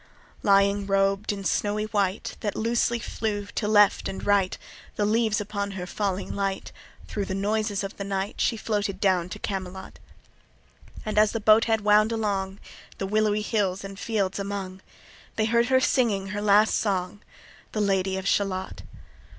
Lying, robed in snowy white That loosely flew to left and right— The leaves upon her falling light— Thro' the noises of the night She floated down to Camelot: And as the boat head wound along The willowy hills and fields among, They heard her singing her last song, The Lady of Shalott.